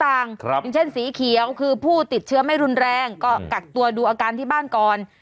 อย่างเช่นสีเขียวคือผู้ติดเชื้อไม่รุนแรงก็กักตัวดูอาการที่บ้านก่อน